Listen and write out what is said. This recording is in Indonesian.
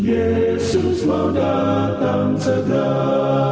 yesus mau datang segera